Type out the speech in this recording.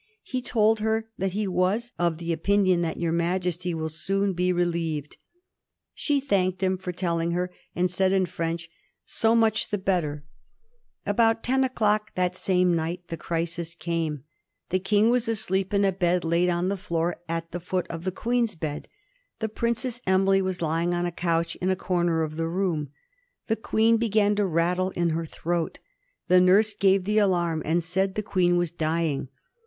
He told her that he was ^' of opinion that your Maj esty will be soon relieved." She thanked him for telling her, and said in French, " So nmch the better." About 124 A HISTORY OF THE FOUR GEORGES. CB.xxix. ten o'clock that same night the crisis came. The King was asleep in a bed laid on the floor at the foot of the Queen's bed. The Princess Emily was lying on a couch in a corner of the room. The Queen began to rattle in her throat. The nurse gave the alarm, and said the Queen was dying.